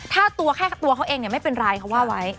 ถ้าตัวแค่ตัวเขาเองไม่เป็นไรเขาว่าไว้